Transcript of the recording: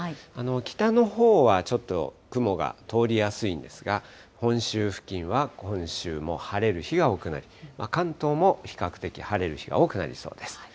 北のほうはちょっと雲が通りやすいんですが、本州付近は今週も晴れる日が多くなり、関東も比較的、晴れる日が多くなりそうです。